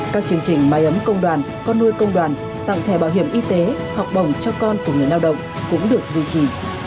các chương trình máy ấm công đoàn con nuôi công đoàn tặng thẻ bảo hiểm y tế học bổng cho con của người lao động cũng được duy trì